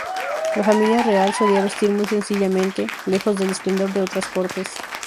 La familia real solía vestir muy sencillamente, lejos del esplendor de otras cortes.